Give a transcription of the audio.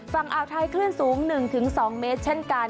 ฝั่งอ่าวไทยคลื่นสูง๑๒เมตรเช่นกัน